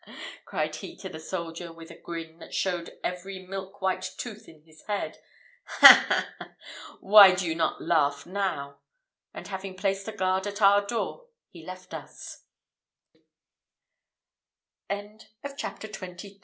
cried he to the soldier, with a grin, that showed every milk white tooth in his head; "Ha, ha, ha! why do you not laugh now?" And having placed a guard at our door, he left us. CHAPTER XXIV. The